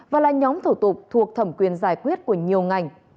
và là nhóm thủ tục thuộc thẩm quyền giải quyết của nhiều ngành